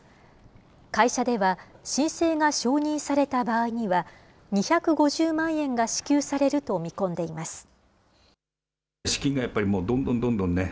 会社では、申請が承認された場合には、２５０万円が支給されると見込んでいます。